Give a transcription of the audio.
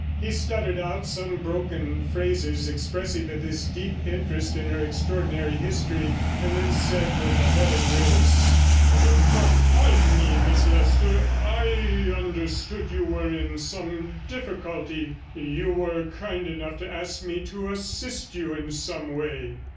123 He stuttered out some broken phrases expressive of his deep interest in her extraordinary history, and then said with a better grace — 'But pardon me, Miss Leicester, I understood you were in some difficulty. You were kind enough to ask me to assist you in some way.'